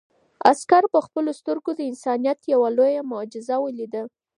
عسکر په خپلو سترګو د انسانیت یو لویه معجزه ولیده.